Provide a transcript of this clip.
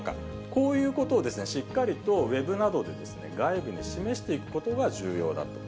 こういうことをしっかりとウェブなどで、外部に示していくことが重要だと。